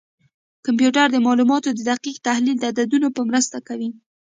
کمپیوټر د معلوماتو دقیق تحلیل د عددونو په مرسته کوي.